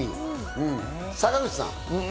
坂口さん。